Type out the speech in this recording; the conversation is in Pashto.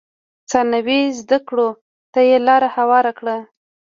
ثانوي زده کړو ته یې لار هواره کړه.